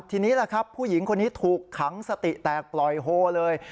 ทีนี้ปิดประตูไม่ให้ผู้หญิงคนนี้ถูกขังสติแตกบล่อยโฮเลย